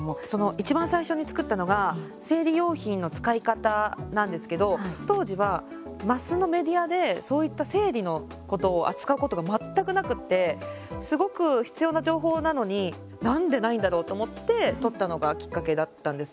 いちばん最初に作ったのが生理用品の使い方なんですけど当時は、マスのメディアでそういった生理のことを扱うことが全くなくてすごく必要な情報なのになんでないんだろう？と思って撮ったのがきっかけだったんです。